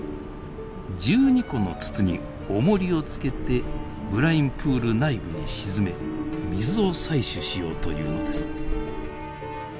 １２個の筒におもりを付けてブラインプール内部に沈め水を採取しようというのです。